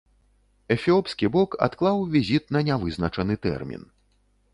Эфіопскі бок адклаў візіт на нявызначаны тэрмін.